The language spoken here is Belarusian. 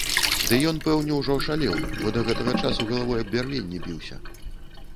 Ды ён пэўне ўжо ашалеў, бо да гэтага часу галавой аб бярвенне біўся.